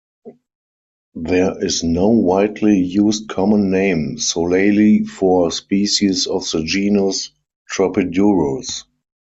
There is no widely used common name solely for species of the genus "Tropidurus".